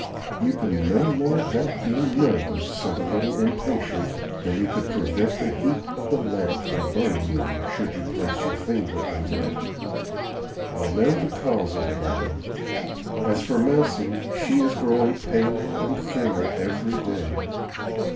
You could no more help being nervous and a little impatient than you could prevent the heat of the lamp from burning you, should you place your finger over it. I know the cause of it all. As for Mousie, she is growing paler and thinner every day.